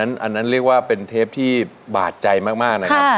อันนั้นเรียกว่าเป็นเทปที่บาดใจมากนะครับ